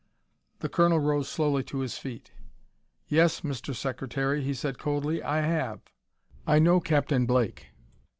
The colonel rose slowly to his feet. "Yes, Mr. Secretary," he said coldly, "I have. I know Captain Blake.